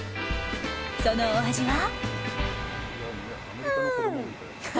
そのお味は？